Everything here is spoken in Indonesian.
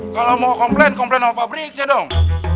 kalau mau komplain komplain sama pabriknya dong